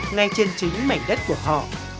ngay trên chính mảnh đất của họ